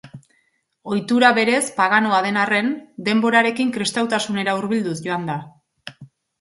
Ohitura berez paganoa den arren, denborarekin kristautasunera hurbilduz joan da.